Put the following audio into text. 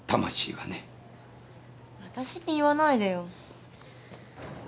私に言わないでよ。